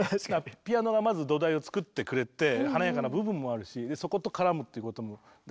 ピアノがまず土台を作ってくれて華やかな部分もあるしそこと絡むっていうこともだし